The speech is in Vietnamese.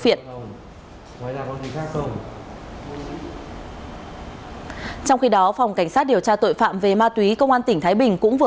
viện trong khi đó phòng cảnh sát điều tra tội phạm về ma túy công an tỉnh thái bình cũng vừa